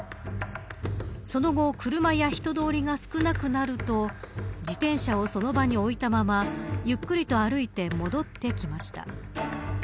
その後車や人通りが少なくなると自転車をその場に置いたままゆっくりと歩いて戻ってきました。